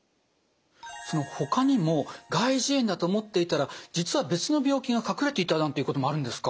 ほかにも外耳炎だと思っていたら実は別の病気が隠れていたなんていうこともあるんですか？